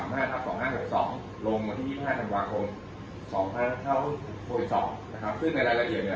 ที่๑๙๓๕๒๕๖๒ลงมาที่๒๕สังวาคลม๒๕๖๒คือในรายละเอียดนี้